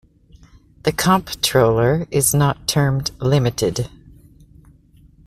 The comptroller is not term-limited.